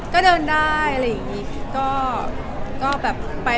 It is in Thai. ก็เดินได้อะไรอย่างนี้